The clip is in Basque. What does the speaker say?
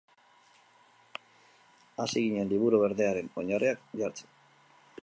Hasi ginen Liburu Berdearen oinarriak jartzen.